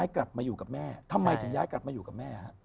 กลับมาอยู่กับแม่ทำไมถึงย้ายกลับมาอยู่กับแม่ฮะ